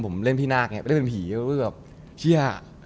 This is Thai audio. ผมเล่นพี่นาคเนี่ยเล่นเป็นผีก็เป็นแบบเชี่ย